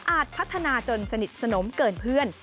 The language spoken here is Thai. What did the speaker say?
พัฒนาจนสนิทสนมเกินเพื่อน